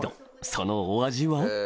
そのお味は？